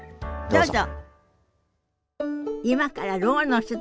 どうぞ。